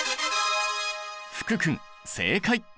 福君正解！